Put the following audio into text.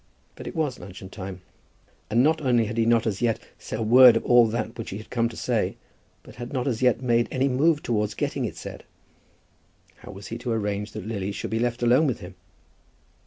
But it was luncheon time, and not only had he not as yet said a word of all that which he had come to say, but had not as yet made any move towards getting it said. How was he to arrange that Lily should be left alone with him?